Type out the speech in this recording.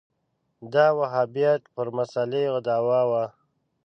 دا وهابیت پر مسألې دعوا وه